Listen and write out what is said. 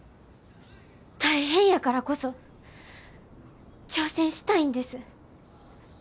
大変やからこそ挑戦したいんです。